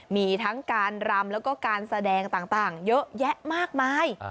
มีทั้งการรำแล้วก็การแสดงต่างเยอะแยะมากมาย